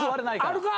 あるか？